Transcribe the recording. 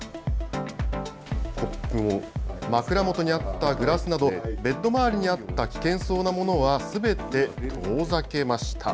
枕元にあったグラスなどベッド周りにあった危険そうなものは全て遠ざけました。